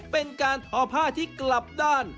เป็นการทอผ้าที่กลับด้าน